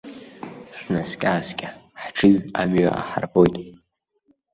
Шәнаскьааскьа, ҳҽыҩ амҩа аҳарбоит!